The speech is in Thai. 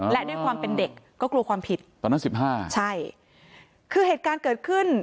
และด้วยความเป็นเด็กก็กลัวความผิดตอนนั้นสิบห้าใช่คือเหตุการณ์เกิดขึ้น